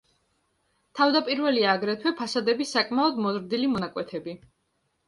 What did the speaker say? თავდაპირველია აგრეთვე ფასადების საკმაოდ მოზრდილი მონაკვეთები.